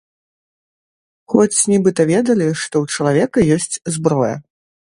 Хоць нібыта ведалі, што ў чалавека ёсць зброя.